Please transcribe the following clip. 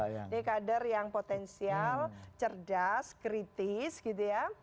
ini kader yang potensial cerdas kritis gitu ya